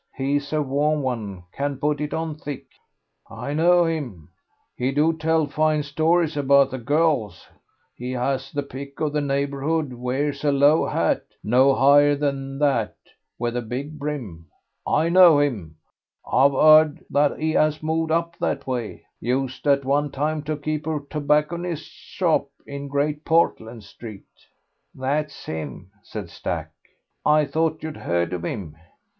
He's a warm 'un, can put it on thick." "I know him; he do tell fine stories about the girls; he has the pick of the neighbourhood, wears a low hat, no higher than that, with a big brim. I know him. I've heard that he 'as moved up that way. Used at one time to keep a tobacconist's shop in Great Portland Street." "That's him," said Stack. "I thought you'd heard of him."